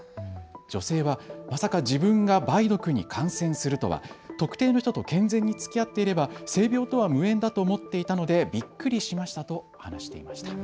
女性はまさか自分が梅毒に感染するとは特定の人と健全につきあっていれば性病とは無縁だと思っていたのでびっくりしましたと話していました。